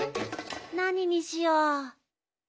なににしよう！